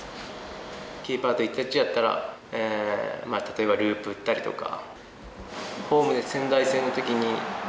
キーパーと１対１だったら例えばループを打ったりとか。